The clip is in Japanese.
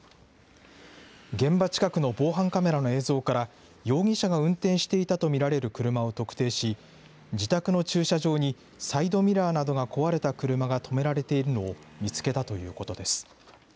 現場近くの防犯カメラの映像から、容疑者が運転していたと見られる車を特定し、自宅の駐車場にサイドミラーなどが壊れた車が止められているのを見つけたということです。